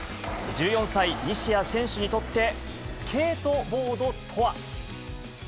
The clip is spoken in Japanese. １４歳、西矢選手にとってスケートボードとは。